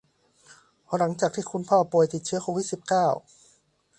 เพราะหลังจากที่คุณพ่อป่วยติดเชื้อโควิด สิบเก้า